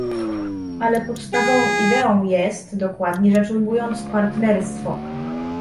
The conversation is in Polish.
Ale podstawową ideą jest, dokładnie rzecz ujmując, partnerstwo